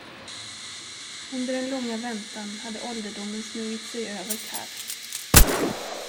Under den långa väntan hade ålderdomen smugit sig över Karr.